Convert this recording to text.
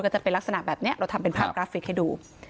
ก็จะเป็นลักษณะแบบนี้เราทำเป็นภาพกราฟิกให้ดู